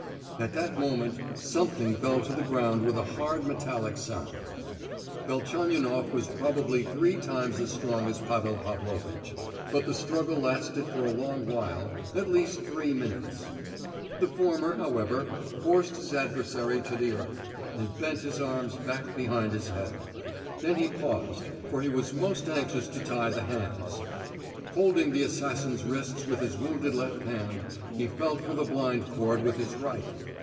At that moment something fell to the ground with a hard metallic sound. Velchaninoff was probably three times as strong as Pavel Pavlovitch, but the struggle lasted for a long while—at least three minutes. The former, however, forced his adversary to the earth, and bent his arms back behind his head; then he paused, for he was most anxious to tie the hands. Holding the assassin's wrist with his wounded left hand, he felt for the blind cord with his right.